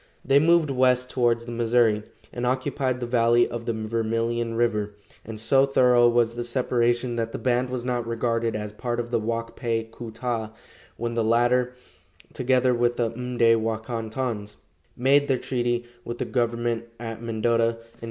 They moved west towards the Missouri, and occupied the valley of the Vermillion river, and so thorough was the separation that the band was not regarded as part of the Wak pe ku ta when the latter, together with the M'day wa kon tons, made their treaty with the government at Mendota in 1851.